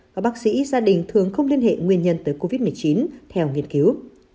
các bác sĩ gia đình thường không liên hệ nguyên nhân tới covid một mươi chín theo nghiên cứu